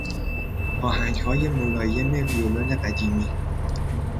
آهنگهای ملایم ویولن قدیمی